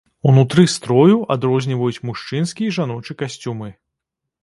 Унутры строю адрозніваюць мужчынскі і жаночы касцюмы.